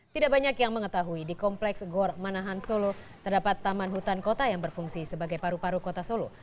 tidak banyak yang mengetahui di kompleks gor manahan solo terdapat taman hutan kota yang berfungsi sebagai paru paru kota solo